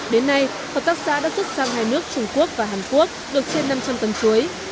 đến nay hợp tác xã đã xuất sang hai nước trung quốc và hàn quốc được trên năm trăm linh tấn chuối